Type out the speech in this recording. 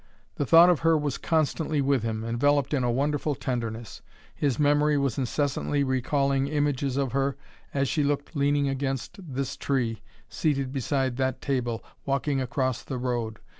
The thought of her was constantly with him, enveloped in a wonderful tenderness; his memory was incessantly recalling images of her as she looked leaning against this tree, seated beside that table, walking across the road.